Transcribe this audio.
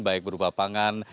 baik berupa panggilan